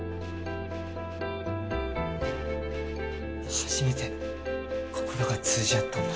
初めて心が通じ合ったんだ。